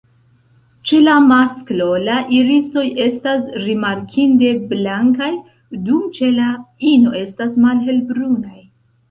Ĉe la masklo, la irisoj estas rimarkinde blankaj, dum ĉe la ino estas malhelbrunaj.